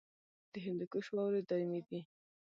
د هندوکش واورې دایمي دي